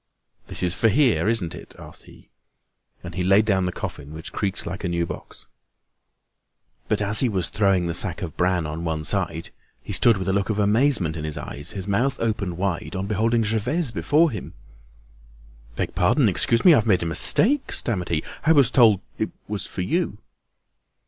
"This is for here, isn't it?" asked he. And he laid down the coffin, which creaked like a new box. But as he was throwing the sack of bran on one side, he stood with a look of amazement in his eyes, his mouth opened wide, on beholding Gervaise before him. "Beg pardon, excuse me. I've made a mistake," stammered he. "I was told it was for you."